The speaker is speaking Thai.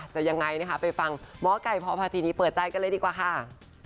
จะยังไงนะคะไปฟังหมอไก่พพาธินีเปิดใจกันเลยดีกว่าค่ะ